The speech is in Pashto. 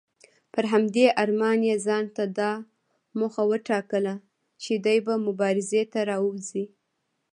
پر همدې ارمان یې ځانته دا موخه وټاکله چې دی به مبارزې ته راوځي.